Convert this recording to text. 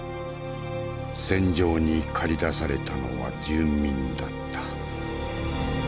戦場に駆り出されたのは住民だった。